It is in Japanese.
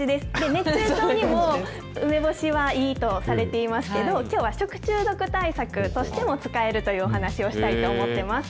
熱中症にも、梅干しはいいとされていますけれども、きょうは食中毒対策としても使えるというお話をしたいと思ってます。